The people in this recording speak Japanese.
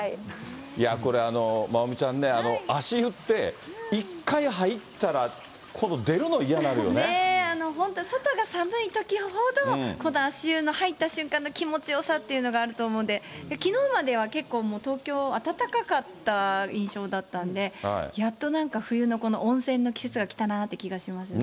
いや、これ、まおみちゃんね、足湯って、１回入ったら、今度出ねー、本当、外が寒いときほど、この足湯の入った瞬間の気持ちよさっていうのがあると思うんで、きのうまでは結構、東京暖かかった印象だったんで、やっとなんか、冬のこの、温泉の季節が来たなって気がしますね。